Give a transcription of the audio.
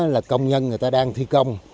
là công nhân người ta đang thi công